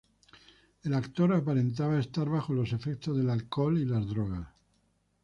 El actor aparentaba estar bajo los efectos del alcohol y las drogas.